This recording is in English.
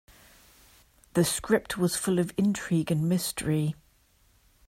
The script was full of intrigue and mystery.